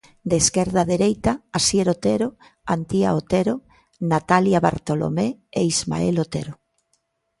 De esquerda a dereita, Asier Otero, Antía Otero, Natalia Bartolomé e Ismael Otero.